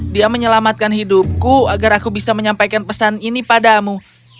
dia menyelamatkan hidupku agar aku bisa menyampaikan pesan ini padamu